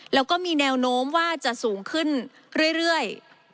แล้วก็มีแนวโน้มว่าจะสูงขึ้นเรื่อย